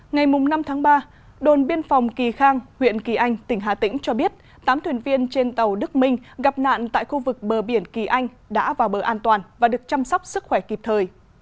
ngày năm tháng ba đồn biên phòng kỳ khang huyện kỳ anh tỉnh hà tĩnh cho biết tám thuyền viên trên tàu đức minh gặp nạn tại khu vực bờ biển kỳ anh đã vào bờ an toàn và được chăm sóc sức khỏe kịp thời